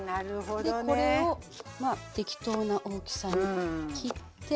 これをまあ適当な大きさに切って。